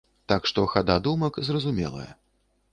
Так што хада думак зразумелая.